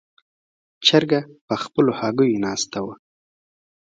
چرګه په خپلو هګیو ناستې وه.